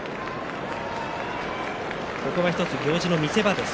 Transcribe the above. ここは１つ行司の見せ場です。